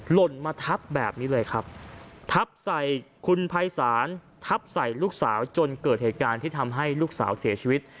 หล่นมาทับแบบนี้เลยครับทับใส่คุณภัยศาลทับใส่ลูกสาวจนเกิดเหตุการณ์ที่ทำให้ลูกสาวเสียชีวิต